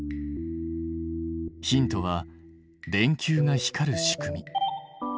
ヒントは電球が光る仕組み。